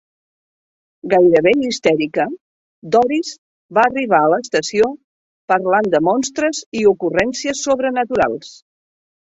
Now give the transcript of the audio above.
Gairebé histèrica, Doris va arribar a l'estació parlant de monstres i ocurrències sobrenaturals.